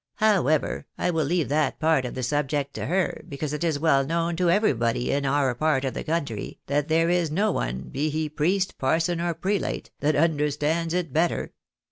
However, I wiU leave that part of the subject to her, because it is well known to everybody in our part of the country that there is no one, be he priest, parson, or prelate, that understands it better.